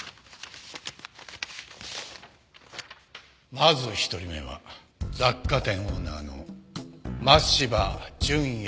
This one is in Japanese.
まず１人目は雑貨店オーナーの真柴淳弥という男だ。